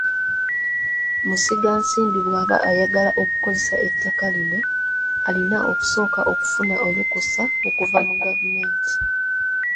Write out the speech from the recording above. Musigansimbi bw'aba ayagala okukozesa ettaka lino, alina okusooka okufuna olukkusa okuva mu gavumenti.